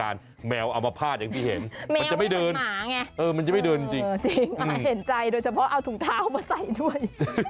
เห็นใจโดยเฉพาะเอาถุงเท้ามาใส่ด้วย